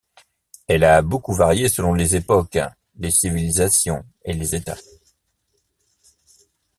Elle a beaucoup varié selon les époques, les civilisations et les États.